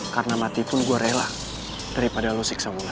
karena mati pun gue rela daripada lo siksa mula